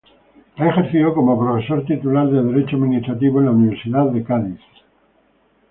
Ha ejercido como profesor titular de Derecho Administrativo en la Universidad de Cádiz.